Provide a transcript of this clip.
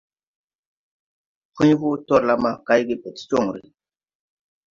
Pũy hoo torla ma kay ge be ti jonre.